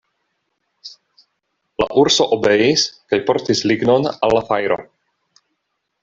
La urso obeis kaj portis lignon al la fajro.